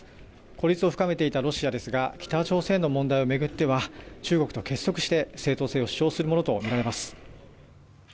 孤立を深めていたロシアですが北朝鮮の問題を巡っては中国と結束して正当性を主張するものとみられます。